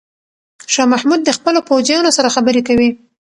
شاه محمود د خپلو پوځیانو سره خبرې کوي.